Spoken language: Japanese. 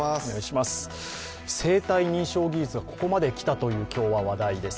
生体認証技術がここまできたという話題です。